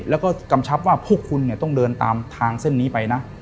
แล้วก็กำชับว่าพวกคุณเนี่ยต้องเดินตามทางเส้นนี้ไปนะ